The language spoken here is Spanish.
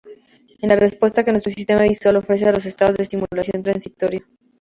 Es la respuesta que nuestro sistema visual ofrece a los estados de estimulación transitorios.